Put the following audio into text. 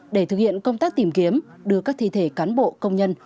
để thực hiện công tác tìm kiếm đưa các thi thể cán bộ công nhân